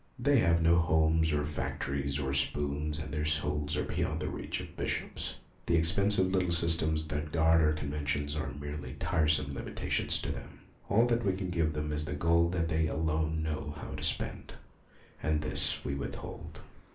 They have no homes or factories, or spoons, and their souls are beyond the reach of Bishops. The ex pensive little systems that guard our con ventions are merely tiresome limitations to them. All that we can give them is the gold that they alone know how to spend, and this we withhold.